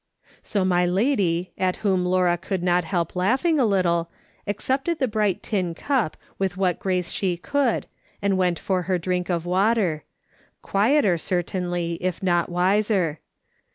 So my lady, at whom Laura could not help laugh ing a little, accepted the bright tin cup with what grace she could, and went for her drink of water — quieter, certainly, if not wiser.